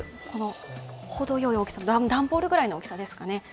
このほどよい大きさ、段ボールぐらいの大きさですかね。